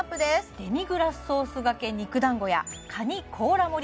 デミグラスソース掛け肉団子やカニ甲羅盛り